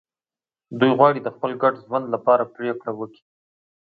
دوی غواړي د خپل ګډ ژوند لپاره پرېکړه وکړي.